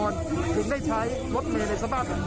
ถึงได้ใช้รถเมล์ในสมบัติแบบนี้